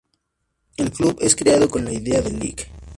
El club es creado con la idea del Lic.